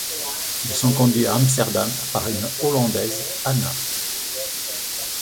Ils sont conduits à Amsterdam par une Hollandaise, Anna.